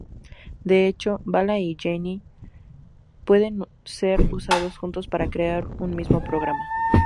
De hecho, Vala y Genie pueden ser usados juntos para crear un mismo programa.